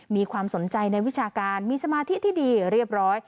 มีความสนใจในวิชาการมีสมาธิที่ดีเรียบร้อย